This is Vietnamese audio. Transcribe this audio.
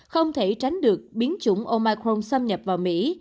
không thể tránh được biến chủng omicron xâm nhập vào mỹ